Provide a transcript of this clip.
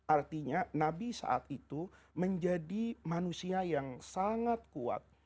artinya nabi saat itu menjadi manusia yang sangat kuat